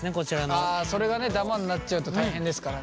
あそれがダマになっちゃうと大変ですからね。